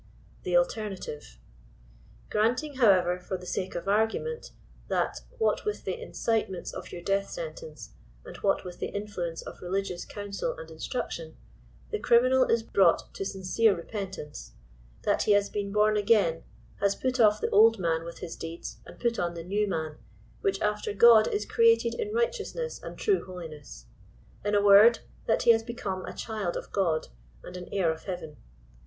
THE ALTERNATIVE. Granting, however, for the sake of argument, that,— what with the incitements of your deatii sentence, and what with the influence of religious counsel and instruction^— the criminal is brought to sincere repentance ; that he has been bom again, has put off the old man with his deeds, and put on the new man, which after God is created in righteousness and true holiness; in a word, that he has become a child of Grod and an heir of heaven.